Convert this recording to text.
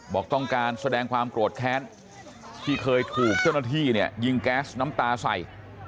บอกต้องการแสดงความโกรธแค้นที่เคยถูกเจ้าหน้าที่เนี่ยยิงแก๊สน้ำตาใส่